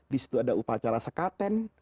di situ ada upacara sekaten